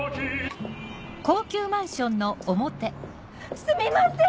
・すみません！